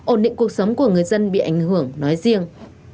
ổn định cuộc sống của người dân bị ảnh hưởng nói riêng